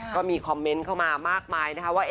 ก็มีคอมเมนต์เข้ามามากมายนะคะว่า